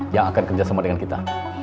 yang akan kerjasama dengan kita